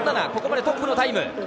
ここまでトップのタイム。